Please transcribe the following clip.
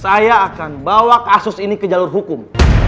saya akan bawa kasus ini ke jalur hukum